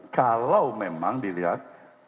kalau memang dilihat